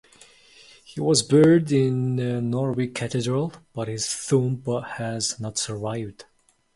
He was buried in Norwich Cathedral, but his tomb has not survived.